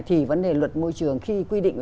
thì vấn đề luật môi trường khi quy định